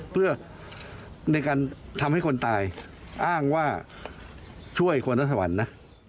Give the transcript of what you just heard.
เพื่อในการทำให้คนตายอ้างว่าช่วยคนนครสวรรค์นะ